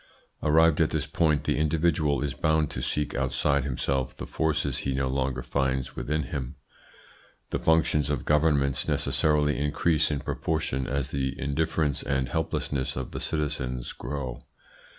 Arrived at this point, the individual is bound to seek outside himself the forces he no longer finds within him. The functions of governments necessarily increase in proportion as the indifference and helplessness of the citizens grow.